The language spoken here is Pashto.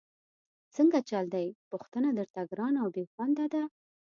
څنګه چل دی، پوښتنه درته ګرانه او بېخونده ده؟!